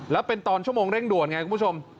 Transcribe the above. แล้วเป็นตอนชั่วโมงเร่งด่วนไงคุณผู้ชม